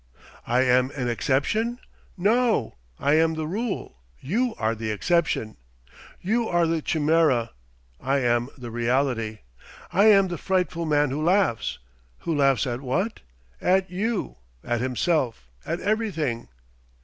I am an exception? No! I am the rule; you are the exception! You are the chimera; I am the reality! I am the frightful man who laughs! Who laughs at what? At you, at himself, at everything!